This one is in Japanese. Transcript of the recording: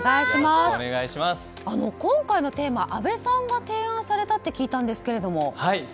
今回のテーマは阿部さんが提案されたと聞いたんですけれども。